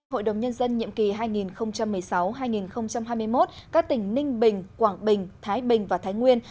hội đồng nhân dân nhiệm kỳ hai nghìn một mươi sáu hai nghìn hai mươi một các tỉnh ninh bình quảng bình thái bình và thái nguyên